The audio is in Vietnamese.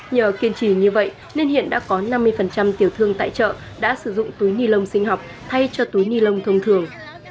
nhờ kiên trì như vậy nên hiện đã có năm mươi tiểu thương tại chợ đã sử dụng túi ni lông sinh học thay cho túi ni lông thông thường